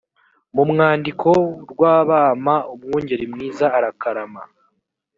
mu mwandiko rw abama umwungeri mwiza arakarama